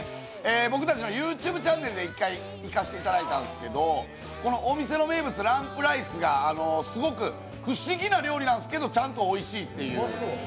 僕たちのＹｏｕＴｕｂｅチャンネルで１回行かせてもらったんですけど、お店の名物ランプライスがすごい不思議な料理なんですけどちゃんとおいしいっていう。